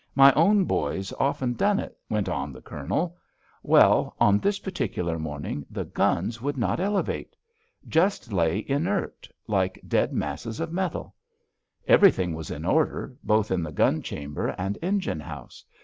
My own boy's often done it," went on the Colonel. "Well, on this particular morning the guns would not elevate. Just lay inert, like dead masses of metal. Everything was in order, both in the gun chamber and engine house.